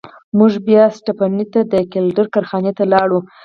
موږ بیا سټپني ته د ګیلډر کارخانې ته لاړو.